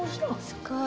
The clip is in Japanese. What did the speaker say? すごい！